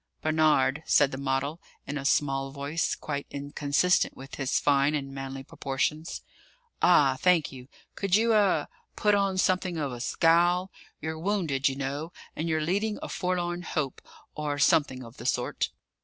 "Barnard," said the model, in a small voice quite inconsistent with his fine and manly proportions. "Ah, thank you! Could you er put on something of a scowl? You're wounded, you know, and you're leading a forlorn hope, or something of the sort."